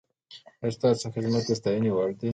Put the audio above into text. ایا ستاسو خدمت د ستاینې وړ دی؟